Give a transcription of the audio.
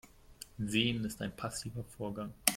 Sehen ist ein passiver Vorgang.